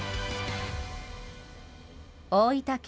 大分県